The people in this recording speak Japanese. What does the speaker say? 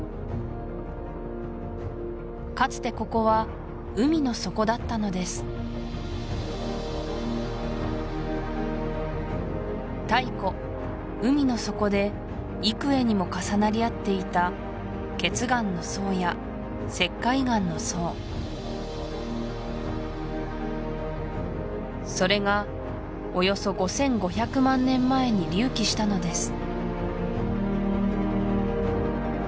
かつてここは海の底だったのです太古海の底で幾重にも重なり合っていた頁岩の層や石灰岩の層それがおよそ５５００万年前に隆起したのです